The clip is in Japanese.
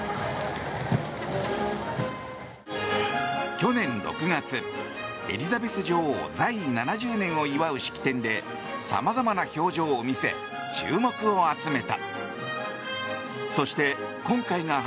去年６月、エリザベス女王在位７０年を祝う式典でさまざまな表情を見せ注目を集めた。